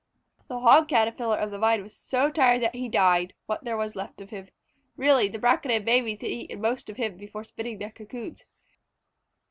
The Hog Caterpillar of the Vine was so tired that he died what there was left of him. Really the Braconid babies had eaten most of him before spinning their cocoons.